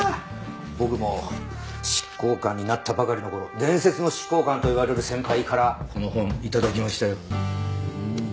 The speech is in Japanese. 僕も執行官になったばかりの頃伝説の執行官といわれる先輩からこの本頂きましたよ。